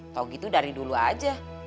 tau gitu dari dulu aja